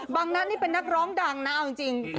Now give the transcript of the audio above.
นั่นนี่เป็นนักร้องดังนะเอาจริง